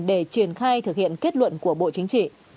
để triển khai thực hiện kết luận của bộ chính trị